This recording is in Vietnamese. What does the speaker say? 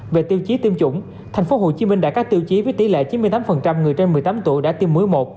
về tiêu chí tiêm chủng tp hcm đã có tiêu chí với tỷ lệ chín mươi tám người trên một mươi tám tuổi đã tiêm mưới một